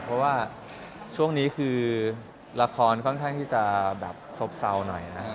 เพราะว่าช่วงนี้คือละครค่อนข้างที่จะแบบซบเศร้าหน่อยนะครับ